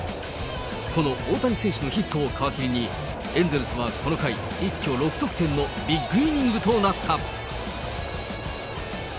この大谷選手のヒットを皮切りに、エンゼルスはこの回、一挙６得点のビッグイニングとなった。